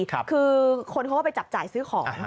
คือคนเขาก็ไปจับจ่ายซื้อของ